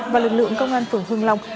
và lực lượng công an phường hương long